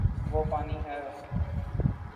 وہ پانی ہے